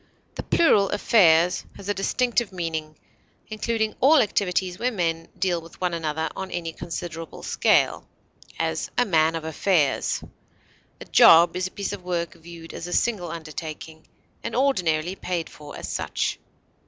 The plural affairs has a distinctive meaning, including all activities where men deal with one another on any considerable scale; as, a man of affairs. A job is a piece of work viewed as a single undertaking, and ordinarily paid for as such.